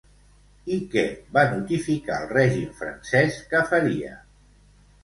I què va notificar el règim francès que faria?